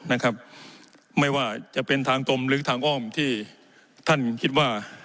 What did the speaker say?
นะครับไม่ว่าจะเป็นทางตรงหรือทางอ้อมที่ท่านคิดว่า